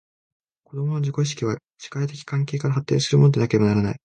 子供の自己意識は、社会的関係から発展するものでなければならない。